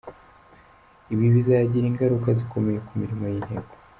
Ibi bizagira ingaruka zikomeye ku mirimo y’inteko.